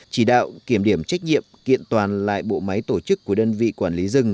chỉ đạo kiểm điểm trách nhiệm kiện toàn lại bộ máy tổ chức của đơn vị quản lý rừng